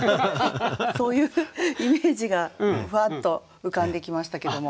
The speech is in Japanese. そういうイメージがふわっと浮かんできましたけども。